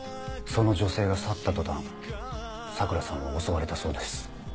その女性が去った途端さくらさんは襲われたそうです。